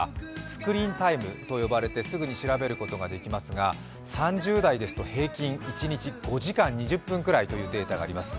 スクリーンタイムと呼ばれて確認することができますが３０代ですと平均一日５時間２０分ぐらいというデータがあります。